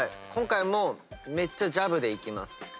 今回もめっちゃジャブでいきます。